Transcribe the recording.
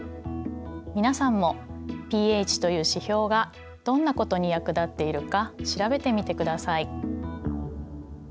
皆さんもｐＨという指標がどんなことに役立っているか調べてみてください。